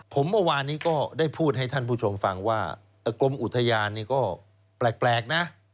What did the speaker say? ผมเมื่อวานนี้ก็ได้พูดให้ท่านผู้ชมฟังว่ากรมอุทยานก็แปลกนะ